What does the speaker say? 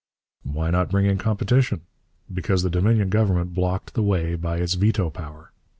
' Why not bring in competition? Because the Dominion Government blocked the way by its veto power.